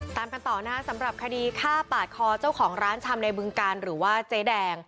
ตามกันต่อนะคะสำหรับคดีฆ่าปาดคอเจ้าของร้านชำในบึงการหรือว่าเจ๊แดง